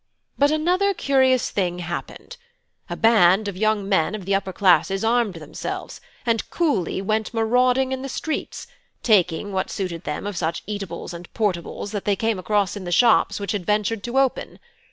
But another curious thing happened: a band of young men of the upper classes armed themselves, and coolly went marauding in the streets, taking what suited them of such eatables and portables that they came across in the shops which had ventured to open.